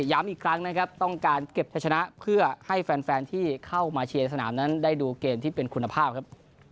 ย้ำอีกครั้งนะครับต้องการเก็บใช้ชนะเพื่อให้แฟนที่เข้ามาเชียร์ในสนามนั้นได้ดูเกมที่เป็นคุณภาพครับ